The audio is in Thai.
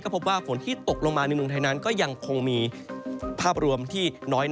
พบว่าฝนที่ตกลงมาในเมืองไทยนั้นก็ยังคงมีภาพรวมที่น้อย